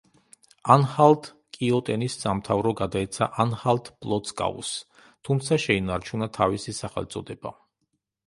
ანჰალტ-კიოტენის სამთავრო გადაეცა ანჰალტ-პლოცკაუს, თუმცა შეინარჩუნა თავისი სახელწოდება.